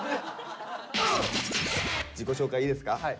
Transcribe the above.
自己紹介いいですか？